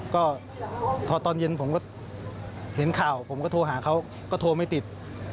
ก็ตอนเย็นผมก็เห็นข่าวผมก็โทรหาเขาก็โทรไม่ติด